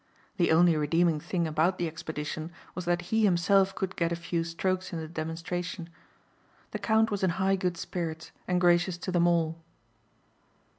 The only redeeming thing about the expedition was that he himself could get a few strokes in the demonstration. The count was in high good spirits and gracious to them all.